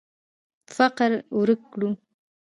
فقر ورک کړو.